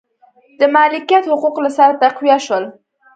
د مالکیت حقوق له سره تقویه شول.